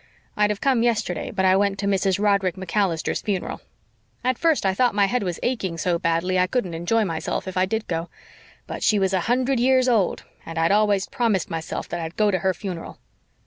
I'd have come yesterday, but I went to Mrs. Roderick MacAllister's funeral. At first I thought my head was aching so badly I couldn't enjoy myself if I did go. But she was a hundred years old, and I'd always promised myself that I'd go to her funeral."